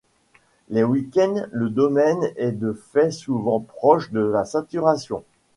Les week-ends, le domaine est de fait souvent proche de la saturation.